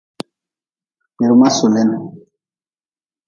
Kpirma sulin.